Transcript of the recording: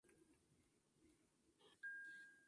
Dentro de la parótida puede hacer anastomosis con el facial.